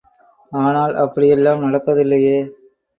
ஆனால் அப்படி எல்லாம் நடப்பதில்லையே!